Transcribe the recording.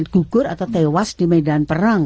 gugur atau tewas di medan perang